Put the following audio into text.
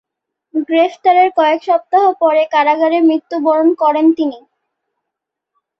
গ্রেফতারের কয়েক সপ্তাহ পরে কারাগারে মৃত্যুবরণ করেন তিনি।